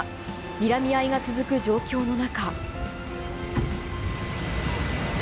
にらみ合いが続く状況の中。